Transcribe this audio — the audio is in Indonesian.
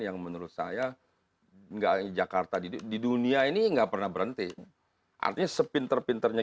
yang menurut saya enggak jakarta di dunia ini enggak pernah berhenti artinya sepinter pinternya